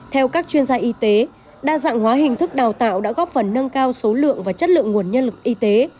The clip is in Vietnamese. theo các chuyên gia y tế đa dạng hóa hình thức đào tạo đã góp phần nâng cao số lượng và chất lượng nguồn nhân lực y tế